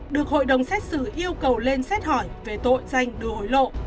được hội đồng xét xử yêu cầu lên xét hỏi về tội danh đưa hối lộ